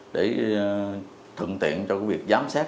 để thượng tiện cho việc giám sát